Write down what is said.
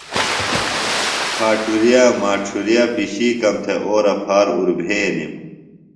پھاٹُریہ، ماڇُھرِیہ پِشِیکم تھےۡ اورہ پھار اُربھینِم۔